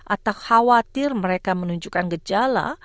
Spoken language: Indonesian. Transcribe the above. atau khawatir mereka menunjukkan gejala